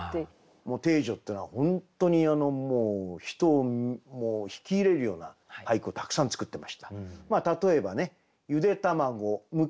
汀女っていうのは本当に人を引き入れるような俳句をたくさん作ってました。